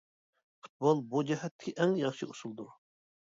پۇتبول بۇ جەھەتتىكى ئەڭ ياخشى ئۇسۇلدۇر.